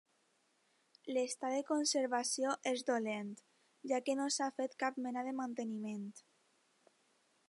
L'estat de conservació és dolent, ja que no s'ha fet cap mena de manteniment.